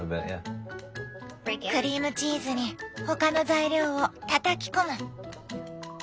クリームチーズに他の材料をたたき込む！